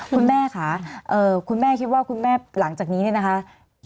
คุณแม่ค่ะคุณแม่คิดว่าคุณแม่หลังจากนี้เนี่ยนะคะ